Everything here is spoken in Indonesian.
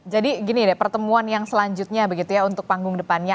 jadi gini deh pertemuan yang selanjutnya begitu ya untuk panggung depannya